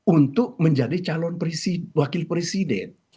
untuk menjadi calon wakil presiden